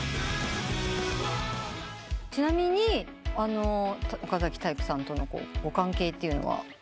ちなみに岡崎体育さんとのご関係というのは？